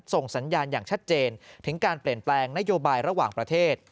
ส่งสัญญาณอย่างชัดเจนถึงการเปลี่ยนแปลงนโยบายระหว่างประเทศ